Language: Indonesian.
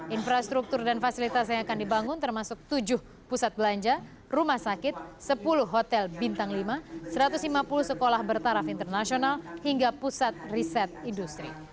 infrastruktur dan fasilitas yang akan dibangun termasuk tujuh pusat belanja rumah sakit sepuluh hotel bintang lima satu ratus lima puluh sekolah bertaraf internasional hingga pusat riset industri